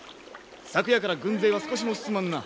昨夜から軍勢は少しも進まぬな。